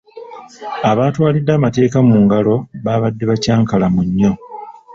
Abaatwalidde amateeka mu ngalo baabadde bakyankalamu nnyo.